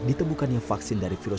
tidak empat orang di sini folk